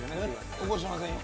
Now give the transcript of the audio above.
起こしてませんよ？